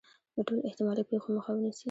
د ټولو احتمالي پېښو مخه ونیسي.